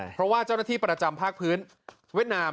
เพราะว่าเจ้าหน้าที่ประจำภาคพื้นเวียดนาม